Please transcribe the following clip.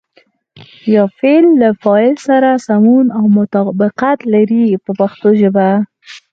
یا فعل له فاعل سره سمون او مطابقت لري په پښتو ژبه.